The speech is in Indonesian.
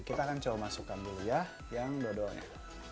kita akan coba masukkan dulu ya yang dodolnya